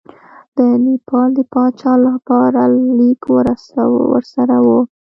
د نیپال د پاچا لپاره لیک ورسره وو.